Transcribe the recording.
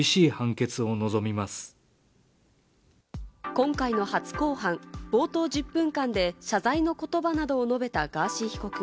今回の初公判、冒頭１０分間で謝罪の言葉などを述べたガーシー被告。